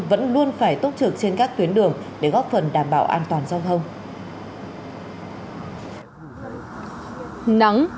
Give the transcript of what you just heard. để làm sao cho nhân dân đi lại đảm bảo an toàn